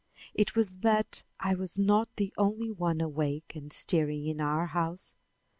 It was that I was not the only one awake and stirring in our house.